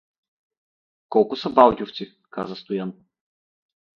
— Колко са Балдювци? — каза Стоян.